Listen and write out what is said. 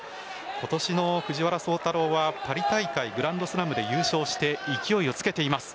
今年の藤原崇太郎はパリ大会グランドスラムで優勝して勢いをつけています。